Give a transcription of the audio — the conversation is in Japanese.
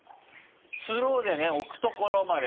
スローでね置くところまで。